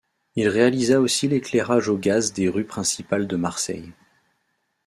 Il réalisa aussi l'éclairage au gaz des rues principales de Marseille.